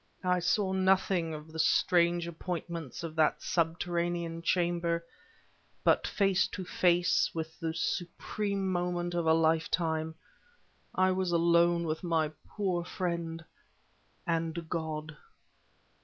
I saw nothing of the strange appointments of that subterranean chamber; but face to face with the supreme moment of a lifetime, I was alone with my poor friend and God.